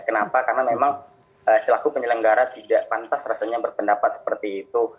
kenapa karena memang selaku penyelenggara tidak pantas rasanya berpendapat seperti itu